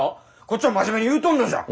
こっちは真面目に言うとんのじゃ。